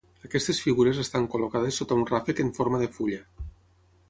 Aquestes figures estan col·locades sota un ràfec en forma de fulla.